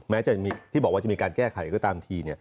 แม้จะมีที่บอกว่ามีการแก้ไขก็ตามที